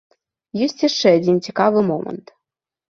Ёсць яшчэ адзін цікавы момант.